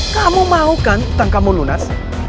kamu mau kan utang kamu lunas